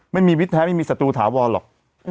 ไม่มีวิทย์แพ้ไม่มีศัตรูถาวรหรอก